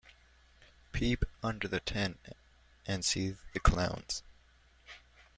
Peep under the tent and see the clowns.